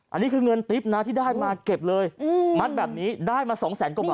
อันนี้คือเงินติ๊บนะที่ได้มาเก็บเลยมัดแบบนี้ได้มาสองแสนกว่าบาท